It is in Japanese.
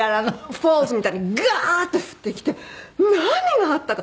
フォールズみたいにガーッて降ってきて何があったか。